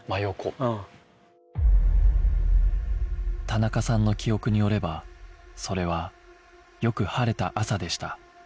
田中さんの記憶によればそれはよく晴れた朝でした